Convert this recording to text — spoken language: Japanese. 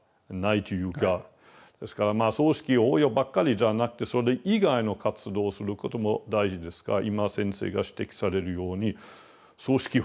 ですから葬式法要ばっかりじゃなくてそれ以外の活動をすることも大事ですが今先生が指摘されるように葬式法要も大事ですね。